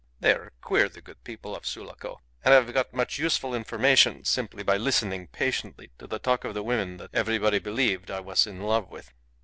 They are queer, the good people of Sulaco, and I have got much useful information simply by listening patiently to the talk of the women that everybody believed I was in love with.